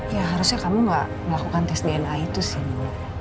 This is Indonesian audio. ya harusnya kamu gak melakukan tes dna itu sih